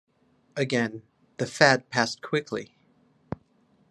Again, the fad passed quickly.